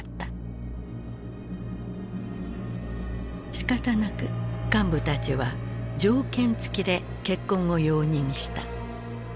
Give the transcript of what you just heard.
しかたなく幹部たちは条件付きで結婚を容認した。